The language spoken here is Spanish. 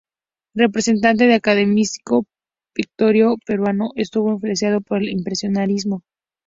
Representante del academicismo pictórico peruano, estuvo influenciado por el impresionismo.